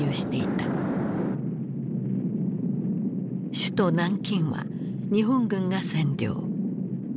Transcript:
首都南京は日本軍が占領。